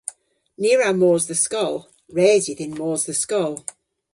Ni a wra mos dhe skol. Res yw dhyn mos dhe skol.